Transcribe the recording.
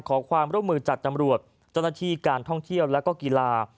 ขอความร่วมมือจากตำรวจเจ้าหน้าที่การท่องเที่ยวและก็กีฬา